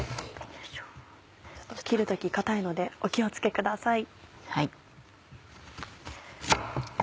切る時硬いのでお気を付けください。